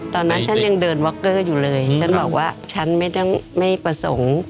ตอนนั้นฉันยังเดินวอคเกอร์อยู่เลยฉันบอกว่าฉันไม่ต้องไม่ประสงค์